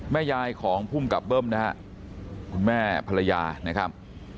แม่ยายของภูมิกับเบิ้มนะฮะคุณแม่ภรรยานะครับ